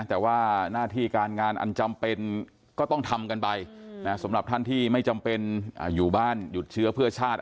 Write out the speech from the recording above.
แต่ว่าหน้าที่การงานอันจำเป็นก็ต้องทำกันไปสำหรับท่านที่ไม่จำเป็นอยู่บ้านหยุดเชื้อเพื่อชาติ